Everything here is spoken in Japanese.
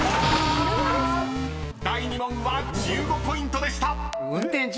［第２問は１５ポイントでした］